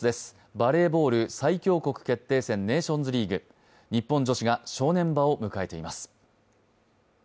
バレーボール最強国決定戦ネーションズリーグ日本女子が正念場を迎えています。